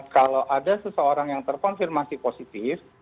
kalau ada seseorang yang terkonfirmasi positif